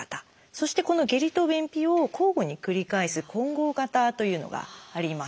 そしてこの下痢と便秘を交互に繰り返す「混合型」というのがあります。